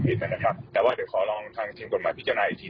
นะครับแต่ว่าเดี๋ยวขอลองทางทีมกฎหมายพิจารณาอีกที